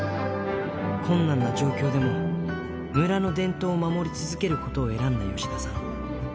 困難な状況でも村の伝統を守り続けることを選んだ吉田さん。